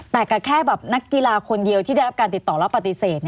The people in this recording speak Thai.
แต่ก็แค่แบบนักกีฬาคนเดียวที่ได้รับการติดต่อแล้วปฏิเสธ